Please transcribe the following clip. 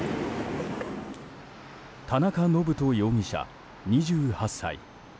田中信人容疑者、２８歳。